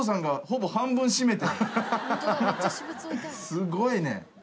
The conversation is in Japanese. すごいね。